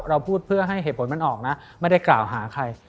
เราพูดเพื่อให้เหตุผลมันออกนะไม่ได้กล่าวหาใคร